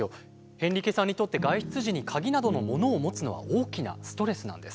ヘンリケさんにとって外出時に鍵などのものを持つのは大きなストレスなんです。